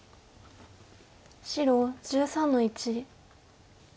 白１３の一。